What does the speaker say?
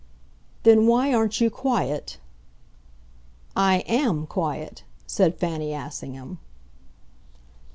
"Then why aren't you quiet?" "I AM quiet," said Fanny Assingham.